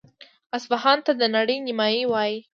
اصفهان ته د نړۍ نیمایي وايي.